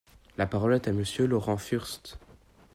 La parole est à Monsieur Laurent Furst.